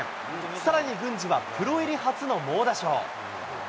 さらに郡司はプロ入り初の猛打賞。